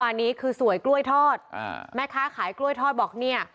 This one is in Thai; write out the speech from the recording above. อันนี้คือสวยกล้วยทอดอ่าแม่ค้าขายกล้วยทอดบอกเนี่ย